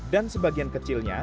dan sebagian kecilnya